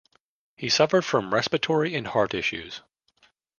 He suffered from respiratory and heart issues.